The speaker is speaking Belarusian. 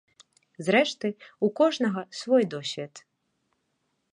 Зрэшты, у кожнага свой досвед.